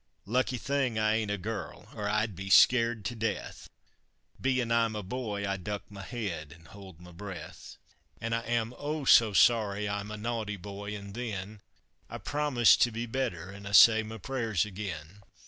Lucky thing I ain't a girl, or I'd be skeered to death! Bein' I'm a boy, I duck my head an' hold my breath; An' I am, oh! so sorry I'm a naughty boy, an' then I promise to be better an' I say my prayers again!